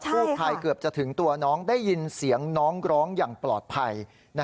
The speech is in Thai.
ภายเกือบจะถึงตัวน้องได้ยินเสียงน้องร้องอย่างปลอดภัย